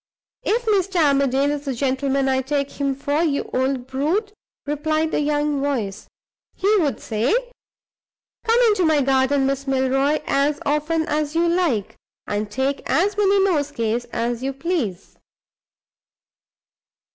"If Mr. Armadale is the gentleman I take him for, you old brute!" replied the young voice, "he would say, 'Come into my garden, Miss Milroy, as often as you like, and take as many nosegays as you please.